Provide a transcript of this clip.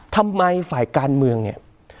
ทำไมฝ่ายการเมืองเนี่ย